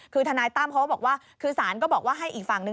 คือทนายตั้มเขาก็บอกว่าคือสารก็บอกว่าให้อีกฝั่งนึง